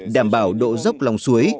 đảm bảo độ dốc lòng suối